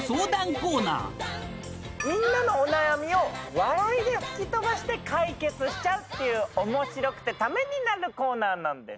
コーナーみんなのお悩みを笑いで吹き飛ばして解決しちゃうっていう面白くてタメになるコーナーなんです